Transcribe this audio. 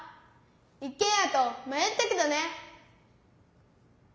一けん家とまよったけどね。